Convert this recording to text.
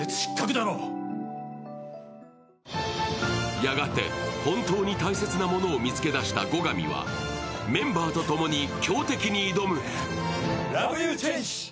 やがて本当に大切なものを見つけだした後上は、メンバーとともに強敵に挑む。